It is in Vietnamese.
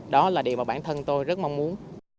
đó là điều mà bản thân tôi rất mong muốn